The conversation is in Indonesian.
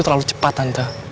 terlalu cepat tante